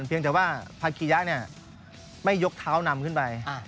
พากิญี่นาไม่ยกเท้านำขึ้นไป